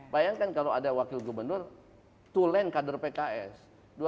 bayangkan kalau ada wakil gubernur to land kader pks